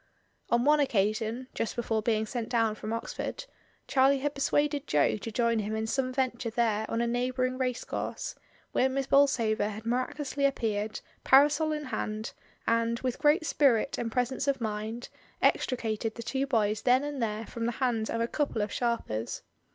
On one occasion (just before being sent down from Oxford) Charlie had persuaded Jo to join him in some venture there on a neighbouring racecourse, where Miss Bolsover had miraculously appeared, parasol in hand, and, with great spirit and presence of mind, extricated the two boys then and there from the hands of a couple of sharpers.